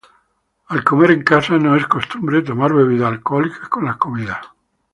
Al comer en casa, no es costumbre tomar bebidas alcohólicas con las comidas.